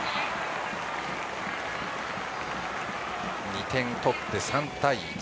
２点取って３対１。